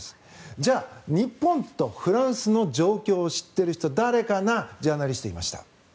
じゃあ、日本とフランスの状況を知っている人は誰かなジャーナリストがいました。